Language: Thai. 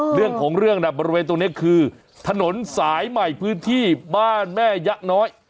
เรื่องของเรื่องนะบริเวณตรงนี้คือถนนสายใหม่พื้นที่บ้านแม่ยะน้อย